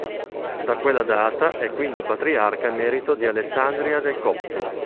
Da quella data è quindi patriarca emerito di Alessandria dei Copti.